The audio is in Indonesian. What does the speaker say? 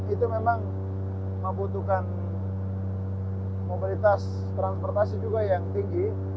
itu memang membutuhkan mobilitas transportasi juga yang tinggi